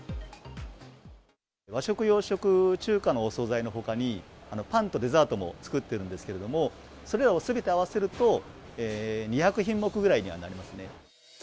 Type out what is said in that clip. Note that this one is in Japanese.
和食、洋食、中華のお総菜のほかに、パンとデザートも作ってるんですけれども、それらをすべて合わせると、２００品目ぐらいにはなりますね。